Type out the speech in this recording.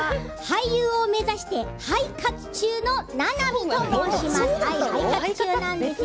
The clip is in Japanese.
俳優を目指してハイ活中のななみと申します。